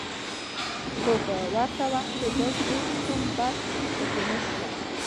خو په ورته وخت کې داسې هېڅ کوم بد پکې نشته